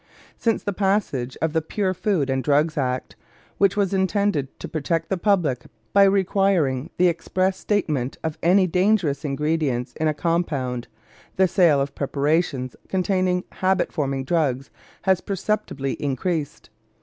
Since the passage of the Pure Food and Drugs Act, which was intended to protect the public by requiring the express statement of any dangerous ingredients in a compound, the sale of preparations containing habit forming drugs has preceptibly increased.